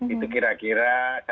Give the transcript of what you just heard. itu kira kira saya menerima